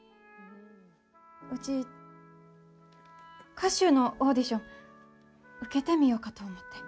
うち歌手のオーディション受けてみようかと思って。